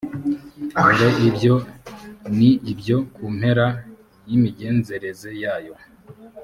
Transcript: dore ibyo ni ibyo ku mpera y ‘imigenzereze yayo.